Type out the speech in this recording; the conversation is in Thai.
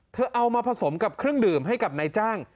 เอามาผสมกับเครื่องดื่มให้กับนายจ้าง